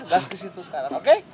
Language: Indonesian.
gas kesitu sekarang oke